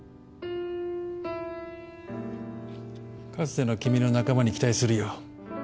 かつての君の仲間に期待するよ。